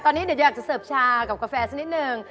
ตอนนี้จุดแปดจะเสิร์ฟชากับกาแฟซักนิดหนึ่ง